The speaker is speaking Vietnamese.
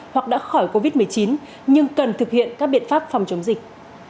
hoặc đã khỏi covid một mươi chín nhưng cần thực hiện các biện pháp phòng chống dịch